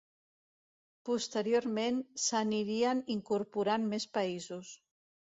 Posteriorment s'anirien incorporant més països.